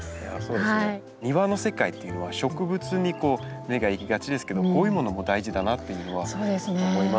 庭の世界っていうのは植物に目が行きがちですけどこういうものも大事だなっていうのは思いますね。